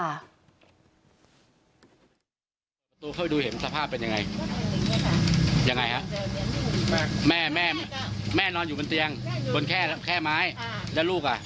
แล้วตอนพี่เปิดไปหาแม่เขาคุยรู้เรื่องไหมแล้วเขาพูดอะไรกับเราบ้าง